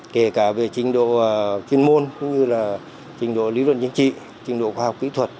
kể cả về trình độ chuyên môn cũng như là trình độ lý luận chính trị trình độ khoa học kỹ thuật